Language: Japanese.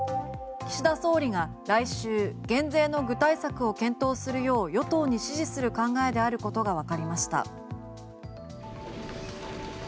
岸田総理が来週減税の具体策を検討するよう与党に指示する考えであることがわかりました。